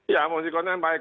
ya fungsi kontrol yang baik